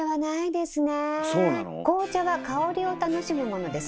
紅茶は香りを楽しむものです。